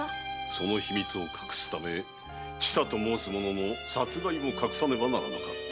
その秘密を隠すため千佐と申す者の殺害も隠さねばならなかった。